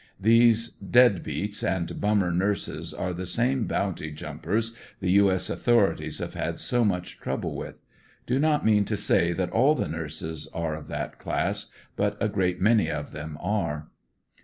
These der.d beaJ;s and bummer nurses are the sam^ bounty junipers the U. S. authorities have had so much trouble with. Do not mean to say that all the nurses are of that class but a great many of them are.